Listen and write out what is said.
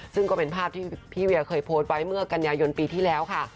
ซึ่งก็เป็นภาพที่พี่เวียเคยโพสต์ไว้เมื่อกันยายนปีที่แล้วค่ะ